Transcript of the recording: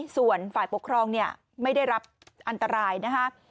ส่วนฝ่ายปกครองเนี่ยไม่ได้รับอันตรายนะคะ